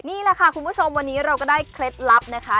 นี่แหละค่ะคุณผู้ชมวันนี้เราก็ได้เคล็ดลับนะคะ